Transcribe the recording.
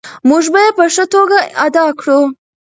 موږ به یې په ښه توګه ادا کړو.